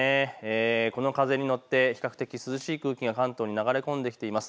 この風に乗って比較的涼しい空気が関東に流れ込んできています。